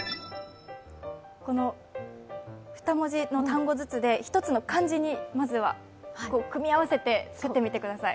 ２文字の単語ずつで、１つの漢字をまずは組合わせてつくってみてください。